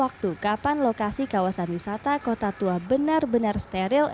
waktu kapan lokasi kawasan wisata kota tua benar benar steril